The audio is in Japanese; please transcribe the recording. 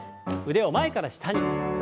腕を前から下に。